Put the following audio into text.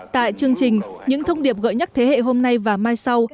tại chương trình những thông điệp gợi nhắc thế hệ hôm nay và mai sau